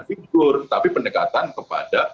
figur tapi pendekatan kepada